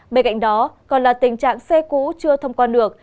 bên cạnh đó còn là tình trạng xe cũ chưa thông quan được